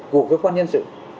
của cơ quan nhân sự